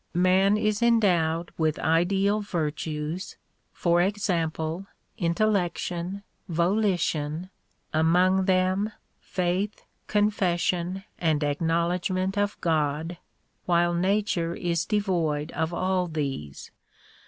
]\Ian is endowed with ideal virtues, for example intellection, volition, — among them faith, con fession and acknowledgment of God, while nature is devoid of all these.